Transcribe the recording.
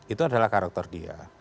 itu adalah karakter dia